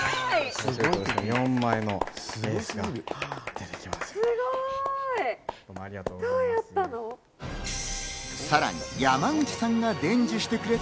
すごい！４枚のエースが出てきました。